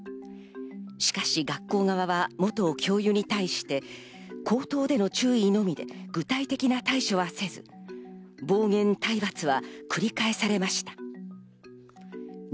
しかし、学校側は元教諭に対して口頭での注意のみで具体的な対処はせず、暴言、体罰は繰り返されました。